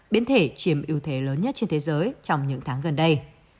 biến thể chiếm ưu thế lớn nhất trên thế giới trong những tháng gần đây